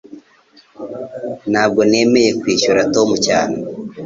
Ntabwo nemeye kwishyura Tom cyane